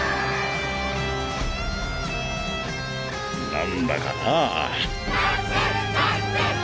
なんだかなぁ。